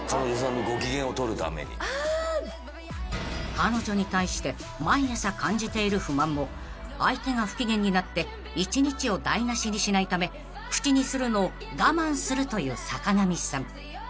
［彼女に対して毎朝感じている不満も相手が不機嫌になって１日を台無しにしないため口にするのを我慢するという坂上さん］